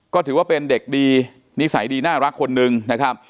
ก็ถือว่าเป็นเด็กดีนิสัยดีน่ารักคนนึงนะครับ